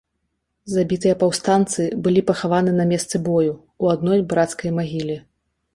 Забітыя паўстанцы былі пахаваны на месцы бою ў адной брацкай магіле.